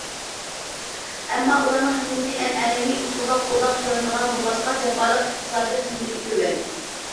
ئەمما ئۇلارنىڭ ھەممىسى ئەنئەنىۋى ئۇسۇلدا قولدا قىلىنىدىغان بولغاچقا، جاپالىق، ئىقتىسادىي قىممىتى تۆۋەن.